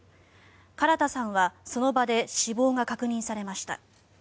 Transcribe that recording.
唐田さんはその場で死亡が確認されました。